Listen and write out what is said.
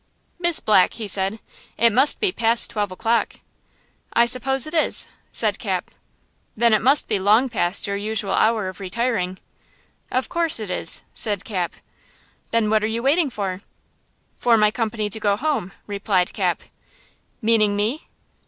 "Miss Black," he said, "it must be past twelve o'clock." "I suppose it is," said Cap. "Then it must be long past your usual hour of retiring." "Of course it is," said Cap. "Then what are you waiting for?" "For my company to go home," replied Cap. "Meaning me?"